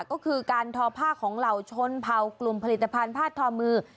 ก็คือการทอผ้าของเหล่าชนเผ่ากลุ่มผลิตภัณฑ์ผ้าทอมือ